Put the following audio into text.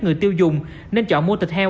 người tiêu dùng nên chọn mua thịt heo